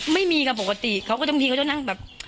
ไม่มีเงินปกติก็จงทีกลางตามแบบ